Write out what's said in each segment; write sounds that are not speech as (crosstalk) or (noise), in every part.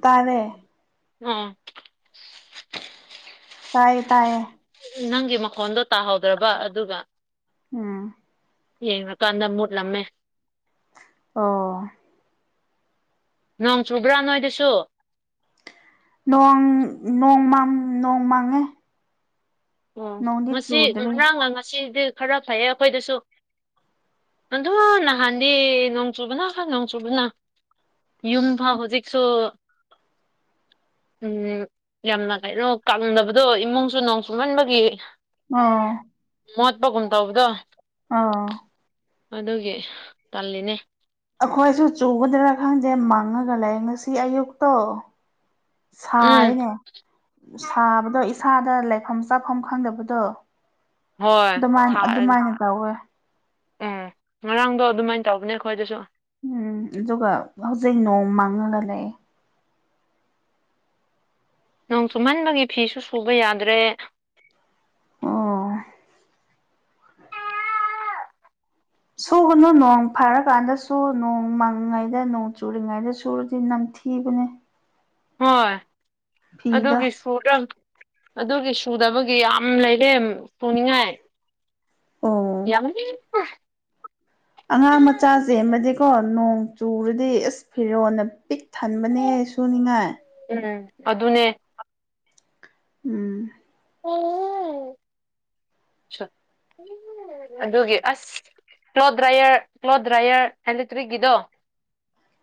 ꯇꯥꯔꯦ ꯎꯝ ꯇꯥꯏꯌꯦ ꯇꯥꯏꯌꯦ ꯎꯝ ꯅꯪꯒꯤ ꯃꯈꯣꯟꯗꯣ ꯇꯥꯍꯧꯗ꯭ꯔꯕ ꯑꯗꯨꯒ ꯎꯝ ꯌꯦꯡꯔ ꯀꯥꯟꯗ ꯃꯨꯠꯂꯝꯃꯦ꯫ ꯑꯣ ꯅꯣꯡ ꯆꯨꯕ꯭ꯔꯥ ꯅꯣꯏꯗꯁꯨ꯫ ꯅꯣꯡ ꯅꯣꯡ ꯃꯪ ꯅꯣꯡ ꯃꯪꯉꯦ꯫ ꯑꯣ ꯅꯣꯡꯗꯤ ꯉꯁꯤ ꯆꯨꯗ꯭ꯔꯤ ꯉꯔꯥꯡꯅ ꯉꯁꯤꯗꯤ ꯈꯔ ꯐꯩꯌꯦ ꯑꯩꯈꯣꯏꯗꯁꯨ꯫ ꯑꯗꯣ ꯅꯍꯥꯟꯗ ꯅꯣꯡ ꯆꯨꯕꯅ ꯈ ꯅꯣꯡ ꯆꯨꯕꯅ꯫ ꯌꯨꯝ ꯐꯥꯎ ꯍꯧꯖꯤꯛꯁꯨ ꯎꯝ ꯌꯥꯝꯅ ꯀꯩꯔꯣ ꯀꯪꯗꯕꯗꯣ ꯏꯃꯨꯡꯁꯨ ꯅꯣꯡ ꯃꯟꯕꯒꯤ ꯑꯣ ꯃꯣꯠꯄꯥꯒꯨꯟ ꯇꯧꯕꯗꯣ ꯑꯥ ꯑꯗꯨꯒꯤ ꯇꯜꯂꯤꯅꯦ꯫ ꯑꯩꯈꯣꯏꯁꯨ ꯆꯨꯒꯗ꯭ꯔꯥ ꯈꯪꯗꯦ ꯃꯪꯉꯥꯒ ꯂꯩ ꯉꯁꯤ ꯑꯌꯨꯛꯇꯣ꯫ ꯎꯝ ꯁꯥꯏꯅꯦ ꯁꯥꯕꯗꯣ ꯏꯁꯥꯗ ꯂꯩꯐꯝ ꯆꯥꯐꯝ ꯈꯪꯗꯕꯗꯣ ꯍꯣꯏ ꯑꯗꯨꯃꯥꯏꯅ ꯁꯥꯔꯅꯤ ꯑꯗꯨꯃꯥꯏꯅ ꯇꯧꯋꯦ꯫ ꯎꯝ ꯉꯔꯥꯡꯗꯣ ꯑꯗꯨꯃꯥꯏꯅ ꯇꯧꯕꯅꯦ ꯑꯩꯈꯣꯏꯗꯁꯨ꯫ ꯎꯝ ꯑꯗꯨꯒ ꯍꯧꯖꯤꯛ ꯅꯣꯡ ꯃꯥꯡꯉꯥꯒ ꯂꯩꯌꯦ꯫ ꯅꯣꯡ ꯆꯨꯃꯟꯕꯒꯤ ꯐꯤꯁꯨ ꯁꯨꯕ ꯌꯥꯗ꯭ꯔꯦ꯫ ꯑꯣ ꯁꯨꯒꯅꯣ ꯅꯣꯡ ꯐꯔꯀꯥꯟꯗꯁꯨ ꯅꯣꯡ ꯃꯥꯡꯉꯤꯉꯩꯗ ꯅꯣꯡ ꯆꯨꯔꯤꯉꯩꯗ ꯁꯨꯔꯗꯤ ꯅꯝꯊꯤꯕꯅꯦ꯫ ꯍꯣꯏ ꯐꯤꯗꯣ ꯑꯗꯨꯒꯤ ꯁꯨꯗꯪ ꯑꯗꯨꯒꯤ ꯁꯨꯗꯕꯒꯤ ꯌꯥꯝ ꯂꯩꯔꯦ ꯁꯨꯅꯤꯡꯉꯥꯏ꯫ ꯑꯣ ꯌꯥꯝꯅꯤ (unintelligible) ꯑꯉꯥꯡ ꯃꯆꯥ ꯆꯦꯟꯕꯗꯤꯀꯣ ꯅꯣꯡ ꯆꯨꯔꯗꯤ ꯑꯁ ꯐꯤꯔꯣꯟꯅ ꯄꯤꯛ ꯊꯟꯕꯅꯦꯍꯦ ꯁꯨꯅꯤꯡꯉꯥꯏ꯫ ꯎꯝ ꯑꯗꯨꯅꯦ꯫ ꯎꯝ ꯑꯣ ꯑꯗꯨꯒꯤ ꯑꯁ ꯀ꯭ꯂꯣꯠ ꯗ꯭ꯔꯥꯏꯌꯔ ꯀ꯭ꯂꯣꯠ ꯗ꯭ꯔꯥꯏꯌꯔ ꯑꯦꯂꯦꯛꯇ꯭ꯔꯤꯛꯀꯤꯗꯣ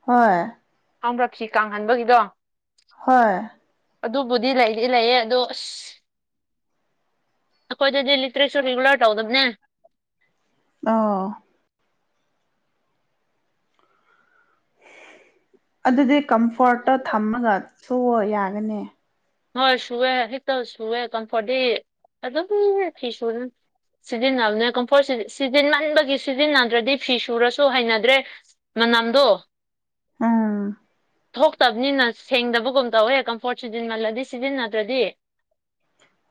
ꯍꯣꯏ ꯍꯔꯛꯁꯤ ꯀꯥꯡꯍꯟꯕꯒꯤꯗꯣ ꯍꯣꯏ ꯑꯗꯨꯕꯨꯗꯤ ꯂꯩꯗꯤ ꯂꯩꯌꯦ ꯑꯗꯣ ꯑꯁ ꯑꯩꯈꯣꯏꯗ ꯗꯦꯜꯂꯤ ꯇꯔꯤꯁꯁꯨ ꯔꯤꯒꯨꯂꯔ ꯇꯧꯗꯕꯅꯦ ꯑꯧ ꯑꯗꯨꯗꯤ ꯀꯝꯐꯣꯔꯠꯇꯣ ꯊꯝꯃꯒ ꯁꯨꯑꯣ ꯌꯥꯒꯅꯤ ꯍꯣꯏ ꯁꯨꯋꯦ ꯍꯦꯛꯇ ꯁꯨꯋꯦ ꯀꯝꯐꯣꯔꯤ ꯑꯗꯨꯝ ꯐꯤꯁꯨꯨ ꯁꯤꯖꯤꯟꯅꯕꯅꯦ ꯀꯝꯐꯣꯔꯠ ꯁꯤꯖꯤꯟꯃꯟꯕꯒꯤ ꯁꯤꯖꯤꯟꯅꯗ꯭ꯔꯗꯤ ꯐꯤ ꯁꯨꯔꯁꯨ ꯍꯩꯅꯗ꯭ꯔꯦ ꯃꯅꯥꯝꯗꯣ ꯑꯥ ꯊꯣꯛꯇꯕꯅꯤꯅ ꯁꯦꯡꯗꯕꯒꯨꯝ ꯇꯧꯋꯦ ꯀꯝꯐꯣꯔꯠ ꯁꯤꯖꯤꯟꯃꯜꯂꯗꯤ ꯁꯤꯖꯤꯟꯅꯗ꯭ꯔꯗꯤ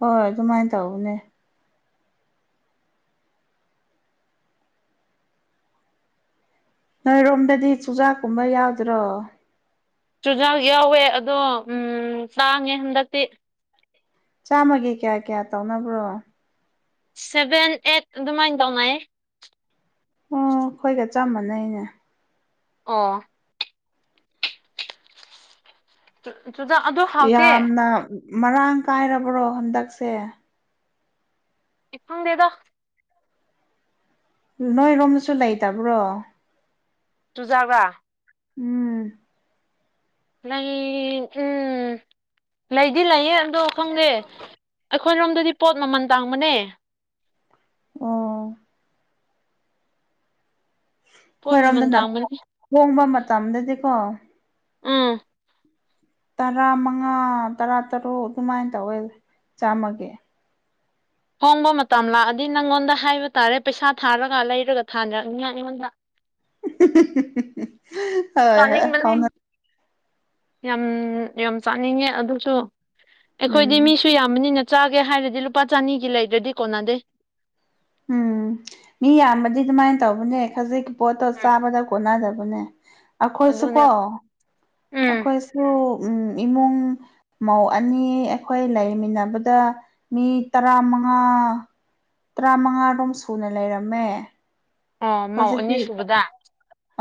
ꯍꯣꯏ ꯍꯣꯏ ꯑꯗꯨꯃꯥꯏꯅ ꯇꯧꯕꯅꯦ ꯅꯣꯏꯔꯣꯝꯗꯗꯤ ꯆꯨꯖꯥꯛꯀꯨꯝꯕ ꯌꯥꯎꯗ꯭ꯔꯣ ꯆꯨꯖꯥꯛ ꯌꯥꯎꯋꯦ ꯑꯗꯣ ꯇꯥꯡꯉꯦ ꯍꯟꯗꯛꯇꯤ ꯆꯥꯃꯒꯤ ꯀꯌꯥ ꯀꯌꯥ ꯇꯧꯅꯕ꯭ꯔꯣ ꯁꯚꯦꯟ ꯑꯩꯠ ꯑꯗꯨꯃꯥꯏꯅ ꯇꯧꯉꯥꯏ ꯑꯣ ꯑꯩꯈꯣꯏꯒ ꯆꯞ ꯃꯥꯟꯅꯩꯅꯦ ꯑꯣ ꯆꯨꯖꯥꯛ ꯑꯗꯨ ꯍꯥꯎꯇꯦ ꯌꯥꯝꯅ ꯃꯔꯥꯡ ꯀꯥꯏꯔꯕ꯭ꯔꯣ ꯍꯟꯗꯛꯁꯦ ꯈꯪꯗꯦꯗꯣ ꯅꯣꯏꯔꯣꯝꯗꯁꯨ ꯂꯩꯇꯕ꯭ꯔꯣ ꯆꯨꯖꯥꯛꯔ ꯎꯝ ꯂꯩ ꯎꯝ ꯂꯩꯗꯤ ꯂꯩꯌꯦ ꯑꯗꯣ ꯈꯪꯗꯦ ꯑꯩꯈꯣꯏꯔꯣꯝꯗꯗꯤ ꯄꯣꯠ ꯃꯃꯜ ꯇꯥꯡꯕꯅꯦ ꯑꯣ ꯄꯣꯠ ꯃꯃꯜ ꯈꯣꯏꯔꯣꯝꯗꯅ ꯇꯥꯡꯕꯅꯤ ꯍꯣꯡꯕ ꯃꯇꯝꯗꯗꯤꯀꯣ ꯑꯝ ꯇꯔꯥ ꯃꯉꯥ ꯇꯔꯥ ꯇꯔꯨꯛ ꯑꯗꯨꯃꯥꯏꯅ ꯇꯧꯋꯦ ꯆꯥꯝꯃꯒꯤ ꯍꯣꯡꯕ ꯃꯇꯝ ꯂꯥꯛꯑꯗꯤ ꯅꯪꯉꯣꯟꯗ ꯍꯥꯏꯕ ꯇꯥꯔꯦ ꯄꯩꯁꯥ ꯊꯥꯔꯒ ꯂꯩꯔꯒ ꯊꯥꯅꯔꯛꯅꯤꯉꯥꯏ ꯑꯩꯉꯣꯟꯗ ꯍꯝꯍꯝꯍꯝ ꯆꯥꯅꯤꯡꯕꯅꯦ ꯌꯥꯝ ꯌꯥꯝ ꯆꯥꯅꯤꯡꯉꯦ ꯑꯗꯨꯁꯨ ꯑꯩꯈꯣꯏꯗꯤ ꯎꯝ ꯃꯤꯁꯨ ꯌꯥꯝꯕꯅꯤꯅ ꯆꯥꯒꯦ ꯍꯥꯏꯔꯗꯤ ꯂꯨꯄꯥ ꯆꯅꯤꯒꯤ ꯂꯩꯗ꯭ꯔꯗꯤ ꯀꯣꯟꯅꯗꯦ ꯎꯝ ꯃꯤ ꯌꯥꯝꯕꯗꯤ ꯑꯗꯨꯃꯥꯏꯅ ꯇꯧꯕꯅꯦ ꯈꯖꯤꯛ ꯄꯣꯠꯇꯣ ꯎꯝ ꯆꯥꯕꯗ ꯀꯣꯟꯅꯗꯕꯅꯦ ꯑꯗꯨꯅꯦ ꯑꯩꯈꯣꯏꯁꯨꯀꯣ ꯎꯝ ꯑꯩꯈꯣꯏ ꯁꯨ ꯏꯃꯨꯡ ꯃꯧ ꯑꯅꯤ ꯑꯩꯈꯣꯏ ꯂꯩꯃꯤꯟꯅꯕꯗ ꯃꯤ ꯇꯔꯥꯃꯉꯥ ꯇꯔꯥꯃꯉꯥꯔꯣꯝ ꯁꯨꯅ ꯂꯩꯔꯝꯃꯦ ꯑꯣ ꯃꯧ ꯍꯧꯖꯤꯛꯇꯤ ꯑꯅꯤ ꯁꯨꯕꯗ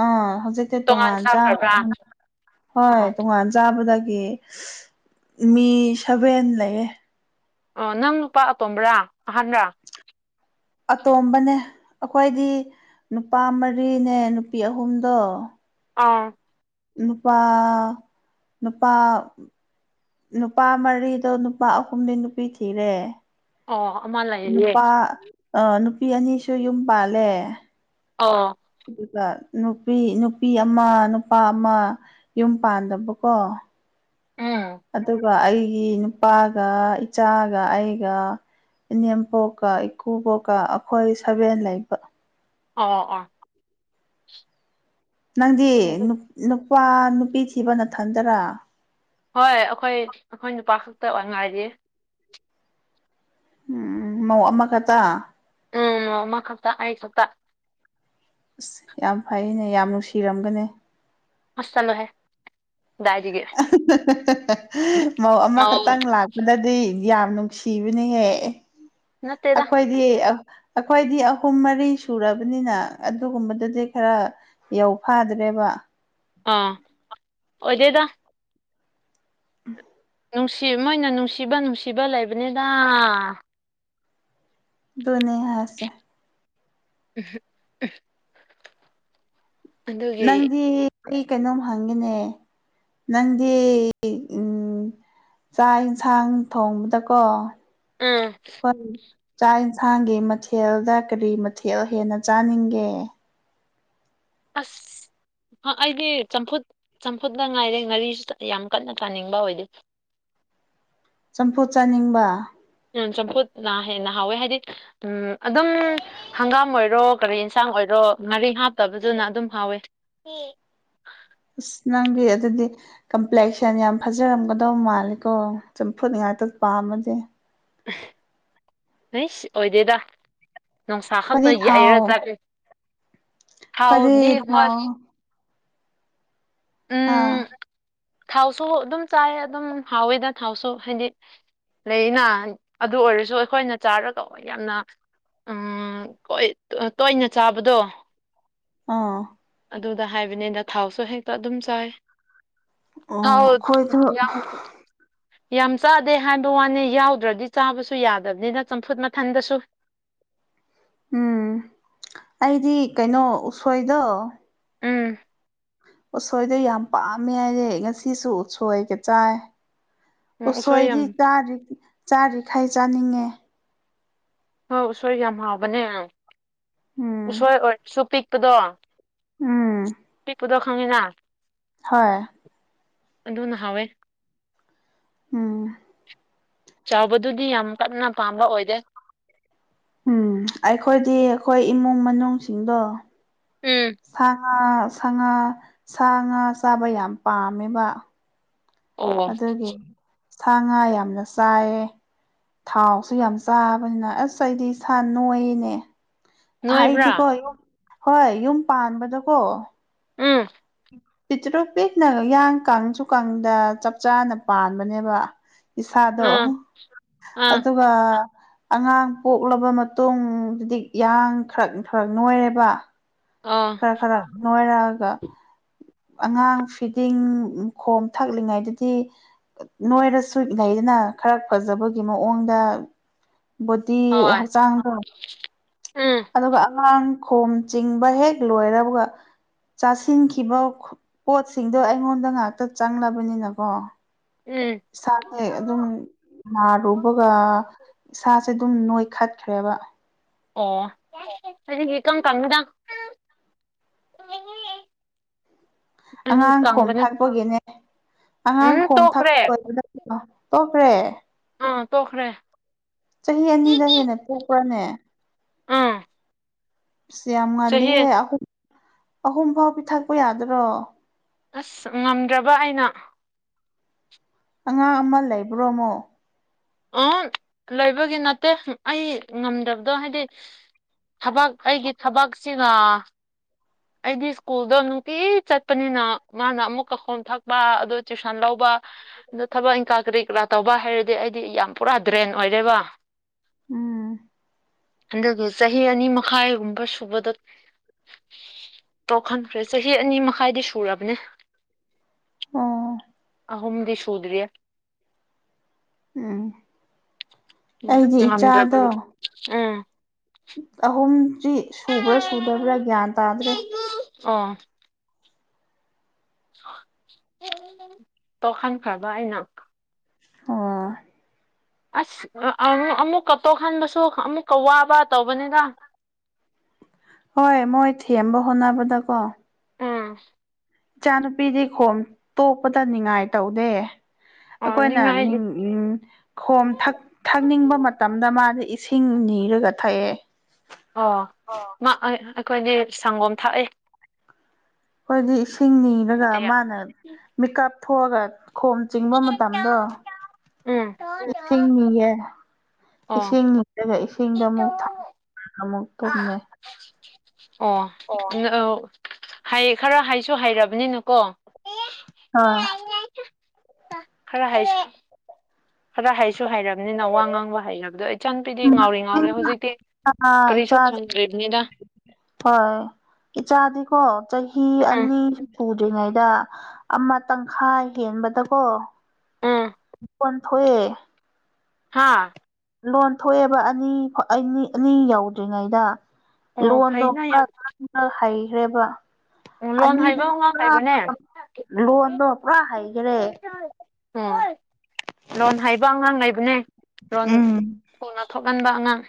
ꯑꯥ ꯍꯧꯖꯤꯛ ꯍꯩꯖꯤꯛꯇꯤ ꯇꯣꯉꯥꯟ ꯆꯥꯈ꯭ꯔꯥꯅꯤ ꯍꯣꯏ ꯑꯣ ꯇꯣꯉꯥꯟ ꯆꯥꯕꯗꯒꯤ ꯃꯤ ꯁꯚꯦꯟ ꯂꯩꯌꯦ ꯑꯣ ꯅꯪ ꯅꯨꯄꯥ ꯑꯇꯣꯝꯕ꯭ꯔꯥ ꯑꯍꯥꯟꯔꯥ ꯑꯇꯣꯝꯕꯅꯦ ꯑꯩꯈꯣꯏꯗꯤ ꯅꯨꯄꯥ ꯃꯔꯤꯅꯦ ꯅꯨꯄꯤ ꯑꯍꯨꯝꯗꯣ ꯑꯥ ꯅꯨꯄꯥ ꯅꯨꯄꯥ ꯅꯨꯄꯥ ꯃꯔꯤꯗꯣ ꯅꯨꯄꯥ ꯑꯍꯨꯝꯗꯤ ꯅꯨꯄꯤ ꯊꯤꯔꯦ ꯑꯣ ꯑꯃ ꯂꯩ ꯅꯨꯄꯥ ꯑꯥ ꯅꯨꯄꯤ ꯑꯅꯤꯁꯨ ꯌꯨꯝ ꯄꯥꯜꯂꯦ ꯑꯣ ꯑꯗꯨꯒ ꯅꯨꯄꯤ ꯅꯨꯄꯤ ꯑꯃ ꯅꯨꯄꯥ ꯑꯃ ꯌꯨꯝ ꯄꯥꯟꯗꯕꯀꯣ ꯎꯝ ꯑꯗꯨꯒ ꯑꯩꯒꯤ ꯅꯨꯄꯥꯒ ꯏꯆꯥꯒ ꯑꯩꯒ ꯏꯅꯦꯝꯄꯣꯛꯀ ꯏꯀꯨꯕꯣꯛꯀ ꯑꯩꯈꯣꯏ ꯁꯕꯦꯟ ꯂꯩꯕ ꯑꯣ ꯑꯣ ꯅꯪꯗꯤ ꯅꯨꯄꯥ ꯅꯨꯄꯤ ꯊꯤꯕ ꯅꯊꯟꯗꯔꯥ ꯍꯣꯏ ꯑꯩꯈꯣꯏ ꯑꯩꯈꯣꯏ ꯅꯨꯄꯥ ꯈꯛꯇ ꯉꯥꯏꯔꯤ ꯎꯝ ꯃꯧ ꯑꯃ ꯈꯛꯇ ꯎꯝ ꯑꯃꯈꯛꯇ ꯑꯩ ꯈꯛꯇ ꯑꯁ ꯌꯥꯝ ꯐꯩꯅꯦ ꯌꯥꯝ ꯅꯨꯡꯁꯤꯔꯝꯒꯅꯤ ꯍꯁ ꯆꯠꯂꯣꯍꯦ ꯀꯗꯥꯏꯗꯒꯤ ꯃꯧ ꯑꯃꯈꯛꯇꯪ ꯂꯥꯛ ꯄꯅꯗꯤ ꯌꯥꯝ ꯅꯨꯡꯁꯤꯕꯅꯤꯍꯦ ꯅꯠꯇꯦꯗ ꯑꯩꯈꯣꯏ ꯍꯥꯏꯗꯤ ꯑꯩꯈꯣꯏꯗꯤ ꯑꯍꯨꯝ ꯃꯔꯤ ꯁꯨꯔꯕꯅꯤꯅ ꯑꯗꯨꯒꯨꯝꯕꯗꯗꯤ ꯈ꯭ꯔꯥ ꯌꯧ ꯐꯥꯗ꯭ꯔꯦꯕ ꯑꯥ ꯑꯣꯗꯦꯗ (inaudible) ꯅꯨꯡꯁꯤ ꯃꯣꯏꯅ ꯅꯨꯡꯁꯤꯕ ꯅꯨꯡꯁꯤꯕ ꯂꯩꯕꯅꯤꯗ ꯗꯨꯅꯦ ꯍꯥꯏꯁꯦ (unintelligible) ꯑꯗꯨꯒꯤ ꯅꯪꯗꯤ ꯑꯩ ꯀꯩꯅꯣꯝ ꯍꯪꯒꯦꯅꯦ ꯅꯪꯗꯤ ꯎꯝ ꯆꯥꯛ ꯌꯦꯟꯁꯥꯡ ꯊꯣꯡꯕꯗꯀꯣ ꯎꯝ ꯍꯣꯏ ꯆꯥꯛ ꯌꯦꯟꯁꯥꯡꯒꯤ ꯃꯊꯦꯜꯗ ꯀꯔꯤ ꯃꯊꯦꯜ ꯍꯦꯟꯅ ꯆꯥꯅꯤꯡꯒꯦ ꯑꯁ ꯑꯩꯗꯤ ꯆꯝꯐꯨꯠ ꯆꯝꯐꯨꯠꯇꯅ ꯉꯥꯏꯔꯦ ꯉꯥꯔꯤꯁꯨ ꯌꯥꯝ ꯀꯟꯅ ꯆꯥꯅꯤꯡꯕ ꯑꯣꯏꯗꯦ ꯆꯝꯐꯨꯠ ꯆꯥꯅꯤꯡꯕ ꯎꯝ ꯆꯝꯐꯨꯠꯅ ꯍꯦꯟꯅ ꯍꯥꯎꯋꯦ ꯍꯥꯏꯗꯤ ꯎꯝ ꯑꯗꯨꯝ ꯍꯪꯒꯥꯝ ꯑꯣꯏꯔꯣ ꯀꯔꯤ ꯌꯦꯟꯁꯥꯡ ꯑꯣꯏꯔꯣ ꯉꯥꯔꯤ ꯍꯥꯞꯇꯕꯗꯨꯅ ꯑꯗꯨꯝ ꯍꯥꯎꯋꯦ ꯑꯁ ꯅꯪꯗꯤ ꯑꯗꯨꯗꯤ ꯀꯝꯄ꯭ꯂꯦꯛꯁꯟ ꯌꯥꯝ ꯐꯖꯔꯝꯒꯗꯧ ꯃꯥꯜꯂꯦꯀꯣ ꯆꯝꯐꯨꯠ ꯉꯥꯛꯇ ꯄꯥꯝꯃꯗꯤ (inaudible) ꯑꯩꯁ ꯑꯣꯏꯗꯦꯗ ꯅꯨꯡꯁꯥ ꯈꯛꯇ ꯑꯩꯈꯣꯏꯗꯤ ꯊꯥꯎ ꯌꯥꯏꯔ ꯆꯥꯀꯦ ꯑꯩꯈꯣꯏꯗꯤ ꯊꯥꯎꯗꯤ ꯍꯣꯏ ꯊꯥꯎ ꯑꯥ ꯎꯝ ꯊꯥꯎꯁꯨ ꯑꯗꯨꯝ ꯆꯥꯏ ꯑꯗꯨꯝ ꯍꯥꯎꯋꯦꯗ ꯊꯥꯎꯁꯨ ꯍꯥꯏꯗꯤ ꯂꯩꯅ ꯑꯗꯨ ꯑꯣꯏꯔꯁꯨ ꯑꯩꯈꯣꯏꯅ ꯆꯥꯔꯒ ꯌꯥꯝꯅ ꯑꯥ ꯒꯣꯏ ꯇꯣꯏꯅ ꯆꯥꯕꯗꯣ ꯑꯥ ꯑꯗꯨꯗ ꯍꯥꯏꯕꯅꯤꯅ ꯊꯥꯎꯁꯨ ꯍꯦꯛꯇ ꯑꯗꯨꯝ ꯆꯥꯏ ꯊꯥꯎ ꯑꯩꯈꯣꯏꯗꯣ ꯌꯥꯡ ꯌꯥꯝ ꯆꯥꯗꯦ ꯍꯥꯏꯕ ꯋꯥꯅꯤ ꯌꯥꯎꯗ꯭ꯔꯗꯤ ꯆꯥꯕꯁꯨ ꯌꯥꯗꯕꯅꯤꯅ ꯆꯝꯐꯨꯠ ꯃꯊꯟꯗꯁꯨ꯫ ꯎꯝ ꯑꯩꯗꯤ ꯀꯩꯅꯣ ꯎꯁꯣꯏꯗꯣ ꯎꯝ ꯎꯠꯁꯣꯏꯗꯣ ꯌꯥꯝ ꯄꯥꯝꯃꯦ ꯑꯩꯗꯤ ꯉꯁꯤꯁꯨ ꯎꯁꯣꯏꯒ ꯆꯥꯏ꯫ ꯎꯝ ꯎꯁꯣꯏ ꯎꯁꯣꯏꯗꯤ ꯌꯥꯝ ꯆꯥꯔꯤ ꯆꯥꯔꯤꯈꯩ ꯆꯥꯅꯤꯡꯉꯦ꯫ ꯍꯣꯏ ꯎꯁꯣꯏ ꯌꯥꯝ ꯍꯥꯎꯕꯅꯦ ꯎꯝ ꯎꯁꯣꯏ ꯑꯣꯏꯔꯁꯨ ꯄꯤꯛꯄꯗꯣ ꯎꯝ ꯄꯤꯛꯄꯗꯣ ꯈꯪꯉꯦꯅ ꯍꯣꯏ ꯑꯗꯨꯅ ꯍꯥꯎꯋꯦ꯫ ꯎꯝ ꯆꯥꯎꯕꯗꯨꯗꯤ ꯌꯥꯝ ꯀꯟꯅ ꯄꯥꯝꯕ ꯑꯣꯏꯗꯦ ꯫ ꯎꯝ ꯑꯩꯈꯣꯏꯗꯤ ꯑꯩꯈꯣꯏ ꯏꯃꯨꯡ ꯃꯅꯨꯡꯁꯤꯡꯗꯣ ꯎꯝ ꯁꯥ ꯉꯥ ꯁꯥ ꯉꯥ ꯁꯥ ꯉꯥ ꯆꯥꯕ ꯌꯥꯝ ꯄꯥꯝꯃꯦꯕ꯫ ꯑꯣ ꯑꯗꯨꯒꯤ ꯁꯥ ꯉꯥ ꯌꯥꯝꯅ ꯆꯥꯏꯌꯦ꯫ ꯊꯥꯎꯁꯨ ꯌꯥꯝ ꯆꯥꯕꯅꯤꯅ ꯑꯁ ꯑꯩꯗꯤ ꯏꯁ ꯅꯣꯏꯅꯦ꯫ ꯅꯣꯏꯕ꯭ꯔꯥ ꯑꯩꯗꯤꯀꯣ ꯌꯨꯝ ꯍꯣꯏ ꯌꯨꯝ ꯄꯥꯟꯕꯗꯀꯣ ꯎꯝ ꯄꯤꯇ꯭ꯔꯨ ꯄꯤꯛꯅ ꯌꯥꯡ ꯀꯪꯁꯨꯀꯪꯗ ꯆꯞ ꯆꯥꯅ ꯄꯥꯟꯕꯅꯦꯕ꯫ ꯏꯁꯥꯗꯣ ꯑꯥ ꯑꯥ ꯑꯗꯨꯒ ꯑꯉꯥꯡ ꯄꯣꯛꯂꯕ ꯃꯇꯨꯡꯗꯨꯗꯤ ꯌꯥꯡ ꯈ꯭ꯔꯛ ꯈ꯭ꯔꯛ ꯅꯣꯏꯔꯦꯕ꯫ ꯑꯣ ꯈꯔ ꯈꯔ ꯅꯣꯏꯔꯛꯑꯒ ꯑꯉꯥꯡ ꯐꯤꯗꯤꯡ ꯈꯣꯝ ꯊꯛꯂꯤꯉꯩꯗꯗꯤ ꯅꯣꯏꯔ ꯁꯨ ꯂꯩꯗꯅ ꯈꯔ ꯐꯖꯕꯒꯤ ꯃꯑꯣꯡꯗ ꯕꯣꯗꯤ ꯍꯣꯏ ꯍꯛꯆꯥꯡꯗꯣ ꯎꯝ ꯑꯗꯨꯒ ꯑꯉꯥꯡ ꯈꯣꯝ ꯆꯤꯡꯕ ꯍꯦꯛ ꯂꯣꯏꯔꯕꯒ ꯆꯥꯁꯤꯟꯈꯤꯕ ꯄꯣꯠꯁꯤꯡꯗꯣ ꯑꯩꯉꯣꯟꯗ ꯉꯥꯛꯇ ꯆꯪꯂꯕꯅꯤꯅꯀꯣ ꯎꯝ ꯏꯁꯥꯁꯦ ꯑꯗꯨꯝ ꯅꯥꯔꯨꯕꯒ ꯏꯁꯥꯁꯦ ꯑꯗꯨꯝ ꯅꯣꯏꯈꯠꯈ꯭ꯔꯦꯕ ꯑꯣ ꯑꯩꯗꯤ ꯏꯀꯪ ꯀꯪꯏꯗ꯫ (unintelligible) ꯑꯩꯗꯤ ꯑꯉꯥꯡ ꯈꯣꯝ ꯀꯪꯕꯅꯦ ꯊꯥꯛꯄꯒꯤꯅꯦ ꯑꯉꯥꯡ ꯎꯝ ꯈꯣꯝ ꯇꯣꯛꯈ꯭ꯔꯦ ꯊꯥꯛꯄꯗ ꯑ ꯇꯣꯛꯈ꯭ꯔꯦ ꯑꯥ ꯇꯣꯛꯈ꯭ꯔꯦ ꯆꯍꯤ ꯑꯅꯤꯗ ꯍꯦꯟꯅ ꯄꯨ ꯄ꯭ꯔꯅꯦ ꯎꯝ ꯑꯁ ꯌꯥꯝ ꯉꯜꯂꯤꯍꯦ ꯆꯍꯤ ꯑꯍꯨꯝ ꯑꯍꯨꯝ ꯐꯥꯎ ꯄꯤ ꯊꯛꯄ ꯌꯥꯗ꯭ꯔꯣ? ꯑꯁ ꯉꯝꯗ꯭ꯔꯕ ꯑꯩꯅ ꯑꯉꯥꯡ ꯑꯃ ꯂꯩꯕ꯭ꯔꯣꯃꯨꯛ? ꯑ ꯂꯩꯕꯒꯤ ꯅꯠꯇꯦ ꯑꯩ ꯉꯝꯗꯕꯗꯣ ꯍꯥꯏꯗꯤ ꯊꯕꯛ ꯑꯩꯒꯤ ꯊꯕꯛꯆꯤꯒ ꯑꯩꯗꯤ ꯁ꯭ꯀꯨꯜꯗꯣ ꯅꯨꯡꯇꯤ ꯆꯠꯄꯅꯤꯅ ꯃꯥꯅ ꯑꯃꯨꯛꯀ ꯈꯣꯝ ꯊꯛꯄ ꯑꯗꯨ ꯇ꯭ꯌꯨꯁꯟ ꯂꯧꯕ ꯑꯗꯣ ꯊꯕꯛ ꯏꯪꯀꯥ ꯀꯔꯤ ꯀꯔꯥ ꯇꯧꯕ ꯍꯥꯏꯔꯗꯤ ꯑꯩꯗꯤ ꯌꯥꯝ ꯄꯨꯔꯥ ꯗ꯭ꯔꯦꯟ ꯑꯣꯏꯔꯦꯕ ꯎꯝ ꯍꯟꯗꯒꯤ ꯆꯍꯤ ꯑꯅꯤ ꯃꯈꯥꯏꯒꯨꯝꯕ ꯁꯨꯕꯗ ꯇꯣꯛꯍꯟꯈ꯭ꯔꯦ ꯆꯍꯤ ꯑꯅꯤ ꯃꯈꯥꯏꯗꯤ ꯁꯨꯔꯕꯅꯦ ꯑꯣ ꯑꯍꯨꯝꯗꯤ ꯁꯨꯗ꯭ꯔꯤꯌꯦ ꯎꯝ ꯏꯃꯥ ꯑꯩꯗꯤ ꯉꯝꯗ꯭ꯔꯕꯒꯤ ꯎꯝ ꯑꯍꯨꯝꯗ꯭ꯔꯤ ꯁꯨꯕ꯭ꯔꯥ ꯁꯨꯗꯕ꯭ꯔꯥ ꯒ꯭ꯌꯥꯟ ꯇꯥꯗ꯭ꯔꯦ ꯑꯥ ꯇꯣꯝꯍꯟꯈ꯭ꯔꯕ ꯑꯩꯅ ꯑꯣ ꯑꯁ ꯑꯃꯨ ꯑꯃꯨꯛꯀ ꯇꯣꯛꯍꯟꯕꯁꯨ ꯑꯃꯨꯛꯀ ꯋꯥꯕ ꯇꯧꯕꯅꯦꯗ ꯍꯣꯏ ꯃꯣꯏ ꯊꯦꯝꯕ ꯍꯣꯠꯅꯕꯗ ꯀꯣ ꯎꯝ ꯏꯆꯥꯅꯨꯄꯤꯗꯤ ꯈꯣꯝ ꯇꯣꯛꯄꯗ ꯅꯤꯉꯥꯏ ꯇꯧꯗꯦ ꯑ ꯑꯈꯣꯏꯅ ꯅꯤꯡꯉꯥꯏꯗꯤ ꯅꯤꯡ ꯈꯣꯝ ꯊꯛ ꯊꯛꯅꯤꯡꯕ ꯃꯇꯝꯗ ꯃꯥꯗꯤ ꯏꯁꯤꯡ ꯅꯤꯔꯒ ꯊꯛꯑꯦ ꯑꯣ ꯃꯥ ꯑꯩ ꯑꯩꯈꯣꯏꯗꯤ ꯁꯪꯒꯣꯝ ꯊꯛꯑꯦ ꯈꯣꯏꯗꯤ ꯏꯁꯤꯡ ꯅꯤꯔꯒ ꯃꯥꯅ ꯃꯤꯀꯞ ꯊꯣꯛꯑꯒ ꯈꯣꯝ ꯆꯤꯡꯕ ꯃꯇꯝꯗꯣ ꯎꯝ ꯏꯁꯤꯡꯅꯤꯌꯦ ꯑꯣ ꯏꯁꯤꯡꯅꯤ ꯑꯗꯨꯒ ꯏꯁꯤꯡꯗ ꯑꯃꯨꯛ ꯊ ꯑꯃꯨꯛ ꯇꯨꯝꯃꯦ ꯑꯣ ꯍꯥꯏ ꯈꯔ ꯍꯩꯁꯨ ꯍꯩꯔꯕꯅꯤꯅꯀꯣ ꯍꯣꯏ ꯈꯔ ꯍꯩ ꯁꯤꯡ ꯈꯔ ꯍꯩꯁꯨ ꯍꯩꯔꯝꯅꯤꯅ ꯋꯥ ꯉꯥꯡꯕ ꯍꯩꯔꯕꯗꯣ ꯏꯆꯟꯄꯤꯗꯤ ꯉꯥꯎꯔꯤ ꯉꯥꯎꯔꯦ ꯍꯧꯖꯤꯛꯇꯤ ꯀꯔꯤꯁꯨ ꯏꯆꯥꯁꯦ ꯈꯟꯗ꯭ꯔꯤꯝꯅꯤꯗ ꯍꯣꯏ ꯏꯆꯥꯗꯤꯀꯣ ꯆꯍꯤ ꯎꯝ ꯑꯅꯤ ꯄꯨꯨꯗ꯭ꯔꯤꯉꯩꯗ ꯑꯃ ꯇꯪꯈꯥꯏ ꯍꯦꯟꯕꯗꯀꯣ ꯎꯝ (unintelligible) ꯊꯣꯑꯦ ꯍꯥꯥ ꯂꯣꯟ ꯊꯣꯑꯦꯕ ꯑꯅꯤ ꯍꯣꯏ ꯑꯅꯤ ꯌꯧꯗ꯭ꯔꯤꯉꯩꯗ ꯑꯣ ꯂꯣꯟꯗꯣ ꯐꯩꯅ ꯌꯥꯝ ꯈ꯭ꯔ ꯍꯩꯈ꯭ꯔꯦꯕ ꯂꯣꯟ ꯍꯩꯕ ꯑꯅꯤꯗꯗꯤ ꯑꯉꯥꯡ ꯄꯨꯔꯥ ꯂꯩꯕꯅꯦ ꯂꯣꯟꯗꯣ ꯄꯨꯔꯥ ꯍꯩꯒ꯭ꯔꯦ ꯎꯪ ꯂꯣꯟ ꯍꯩꯕ ꯑꯉꯥꯡ ꯂꯩꯕꯅꯦ ꯂꯣꯟ ꯎꯝ ꯊꯨꯅ ꯊꯣꯒꯟꯕ ꯑꯉꯥꯡ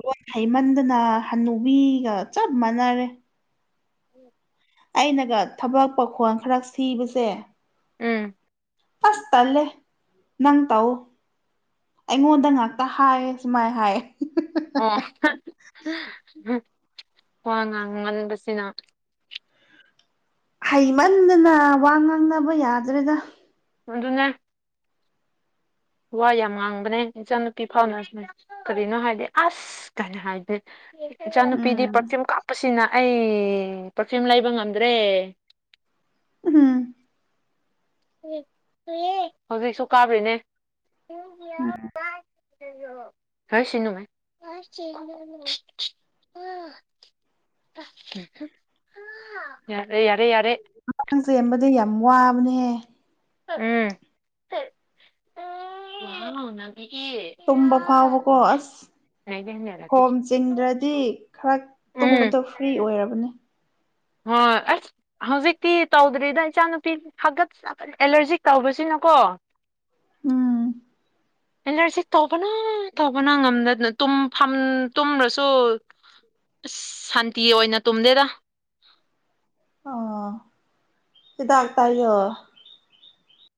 ꯂꯣꯟ ꯍꯩꯃꯟꯗꯅ ꯍꯟꯅꯨꯕꯤꯒ ꯆꯞ ꯃꯥꯟꯅꯔꯦ (inaudible) ꯑꯩꯅꯒ ꯊꯕꯛ ꯄꯥꯈꯣꯟ ꯈꯔ ꯁꯤꯕꯁꯦ ꯎꯝ ꯑꯁ ꯇꯂꯦ ꯅꯪ ꯇꯧ ꯑꯩꯉꯣꯟꯗ ꯉꯥꯛꯇ ꯍꯥꯏꯌꯦ ꯁꯨꯃꯥꯏ ꯍꯥꯏꯌꯦ ꯋꯥ ꯉꯥꯡꯃꯟꯕꯁꯤꯅ ꯍꯩꯃꯟꯗꯅ ꯋꯥ ꯉꯥꯡꯅꯕ ꯌꯥꯗ꯭ꯔꯦꯗ ꯑꯗꯨꯅꯦ ꯋꯥ ꯌꯥꯝ ꯉꯥꯡꯕꯅꯦ ꯏꯆꯥꯅꯨꯄꯤ ꯐꯥꯎꯅꯁꯨꯅꯦ ꯀꯔꯤꯅꯣ ꯍꯥꯏꯗꯤ ꯑꯁ ꯑꯁꯤ ꯀꯩꯅ ꯍꯥꯏꯗꯤꯦ ꯏꯆꯥꯅꯨꯄꯤꯗꯤ ꯎꯝ ꯄꯔꯐꯤꯌꯨꯝ ꯀꯥꯞꯄꯁꯤꯅ ꯑꯩ ꯄꯔꯐꯤꯌꯨꯝ ꯂꯩꯕ ꯉꯝꯗ꯭ꯔꯦ ꯎꯝ ꯍꯧꯖꯤꯛꯁꯨ ꯀꯥ꯭ꯔꯤꯅꯦ ꯎꯝ ꯍꯔ ꯁꯤꯅꯨ ꯃ ꯑ ꯑ (inaudible) ꯌꯥꯔꯦ ꯌꯥꯔꯦ ꯌꯥꯔꯦ ꯉꯪ ꯆꯦꯟꯕꯗ ꯌꯥꯝ ꯋꯥꯕꯅꯦꯍꯦ ꯎꯟ ꯇꯨꯝꯕ ꯐꯥꯎꯕꯀꯣ ꯑꯁ ꯈꯣꯝ ꯆꯤꯡꯗ꯭ꯔꯗꯤ ꯈꯔ ꯇꯨꯝꯕꯗꯣ ꯐ꯭ꯔꯤ ꯑꯣꯏꯔꯕꯅꯦ ꯍꯣꯏ ꯑꯁ ꯍꯧꯖꯤꯛꯇꯤ ꯇꯧꯗ꯭ꯔꯤꯗ ꯏꯆꯥꯅꯨꯄꯤ ꯐꯒꯠ ꯁꯥꯒꯠ ꯑꯦꯂꯔꯖꯤꯛ ꯇꯧꯕꯁꯤꯅꯀꯣ ꯎꯝ ꯑꯦꯂꯔꯖꯤ ꯇꯧꯕꯅ ꯇꯧꯕꯅ ꯉꯝꯗꯗꯅ ꯇꯨꯝ ꯐꯝ ꯇꯨꯝ꯭ꯔꯁꯨ ꯑꯁ ꯁꯥꯟꯇꯤ ꯑꯣꯏꯅ ꯇꯨꯝꯗꯦꯗ ꯑꯣ ꯍꯤꯗꯥꯛꯇꯥꯏꯌꯣ